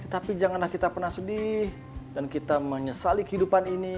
tapi janganlah kita pernah sedih dan kita menyesali kehidupan ini